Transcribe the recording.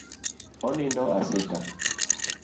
Onindo asika.